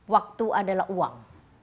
waktu adalah uang